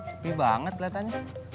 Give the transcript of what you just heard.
sepi banget kelihatannya